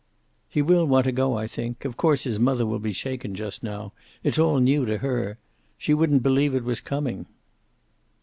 "He will want to go, I think. Of course, his mother will be shaken just now. It'll all new to her. She wouldn't believe it was coming."